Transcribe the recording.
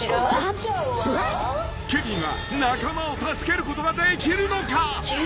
［ケビンは仲間を助けることができるのか］